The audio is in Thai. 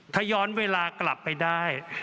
ถ้าย้อนเวลากลับไปได้